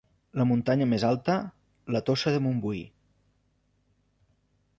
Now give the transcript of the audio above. La muntanya més alta, la Tossa de Montbui.